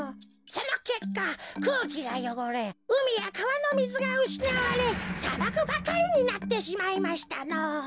そのけっかくうきがよごれうみやかわのみずがうしなわれさばくばかりになってしまいましたのぉ。